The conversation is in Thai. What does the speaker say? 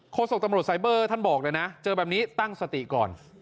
โศกตำรวจไซเบอร์ท่านบอกเลยนะเจอแบบนี้ตั้งสติก่อน